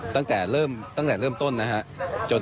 ตั้งแต่เริ่มต้นนะฮะ